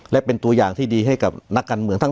และเป็นตัวอย่างที่ดีให้กับนักการเมืองทั้ง